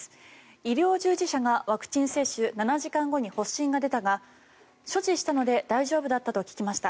医療従事者がワクチン接種７時間後に発疹が出たが処置したので大丈夫だったと聞きました。